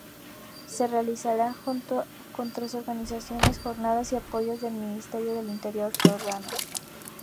Se realizará junto con tres organizaciones jordanas y apoyo del ministerio de Interior jordano.